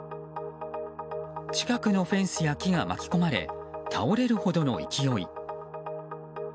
近くのフェンスや木が巻き込まれ倒れるほどの勢い。